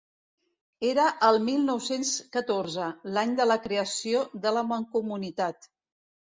Era el mil nou-cents catorze, l'any de la creació de la Mancomunitat.